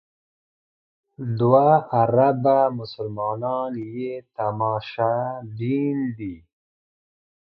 دوه اربه مسلمانان یې تماشبین دي.